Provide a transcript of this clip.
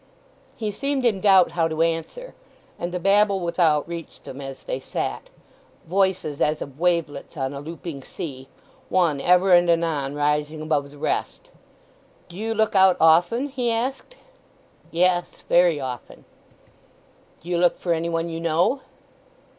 He seemed in doubt how to answer, and the babble without reached them as they sat—voices as of wavelets on a looping sea, one ever and anon rising above the rest. "Do you look out often?" he asked. "Yes—very often." "Do you look for any one you know?"